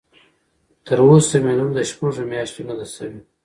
تر اوسه مې لور د شپږ مياشتو نه ده شوى.